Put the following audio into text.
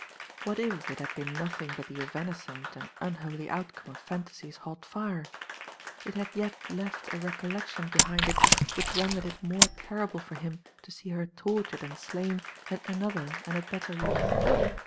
What if it had been nothing but the evanescent and unholy outcome of "fantasy's hot fire"? It had yet left a recollection behind it which rendered it more terrible for him to see her tortured and slain than another and a better woman.